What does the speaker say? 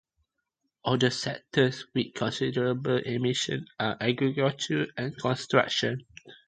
Other sectors with considerable emissions are agriculture and construction.